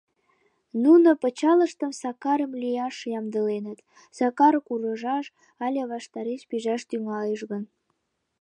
Нуно пычалыштым Сакарым лӱяш ямдыленыт — Сакар куржаш але ваштареш пижаш тӱҥалеш гын...